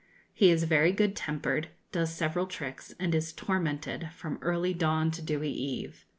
He is very good tempered, does several tricks, and is tormented 'from early dawn to dewy eve.'